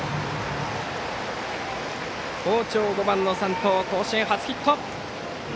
好調、５番の山藤甲子園初ヒット！